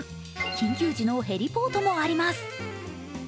緊急時のヘリポートもあります。